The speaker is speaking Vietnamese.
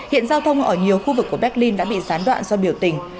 hiện giao thông ở nhiều khu vực của berlin đã bị gián đoạn do biểu tình